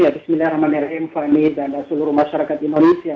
bismillahirrahmanirrahim fani dan seluruh masyarakat indonesia